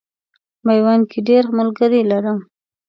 میوند کې ډېر ملګري لرم.